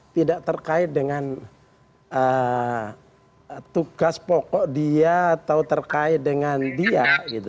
tidak terkait dengan tugas pokok dia atau terkait dengan dia